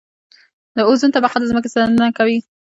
د اوزون طبقه د ځمکې ساتنه کوي